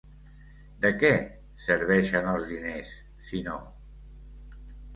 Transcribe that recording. De què serveixen els diners si no